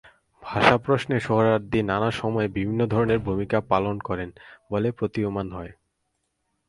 ভাষা প্রশ্নে সোহরাওয়ার্দী নানা সময়ে বিভিন্ন ধরনের ভূমিকা পালন করেন বলে প্রতীয়মান হয়।